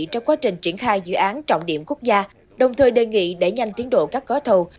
trong quá trình triển khai dự án trọng điểm quốc gia đồng thời đề nghị đẩy nhanh tiến độ các gói thầu